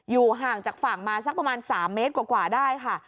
ห่างจากฝั่งมาสักประมาณ๓เมตรกว่าได้ค่ะ